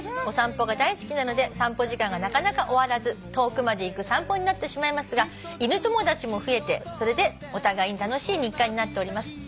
「お散歩が大好きなので散歩時間がなかなか終わらず遠くまで行く散歩になってしまいますが犬友達も増えてそれでお互いに楽しい日課になっております」